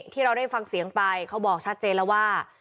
ที่เราได้ฟังเสียงไปเขาบอกชัดเจนแล้วว่า